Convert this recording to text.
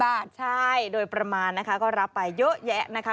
ใช่โดยประมาณนะคะก็รับไปเยอะแยะนะคะ